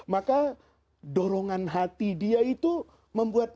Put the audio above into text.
maka dorongan hati dia itu membuat